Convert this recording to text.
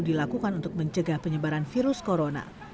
dilakukan untuk mencegah penyebaran virus corona